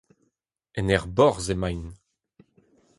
En aerborzh emaint.